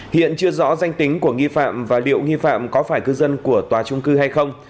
hiện chưa rõ danh tính của nghi phạm và liệu nghi phạm có phải cư dân của tòa trung cư hay không